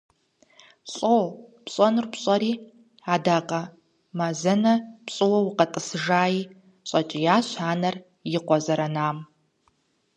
ЛӀо, пщӀэнур пщӀэри, адакъэмазэнэ пщӀыуэ укъысхуэтӀысыжаи, – щӀэкӀиящ анэр и къуэ зэранам.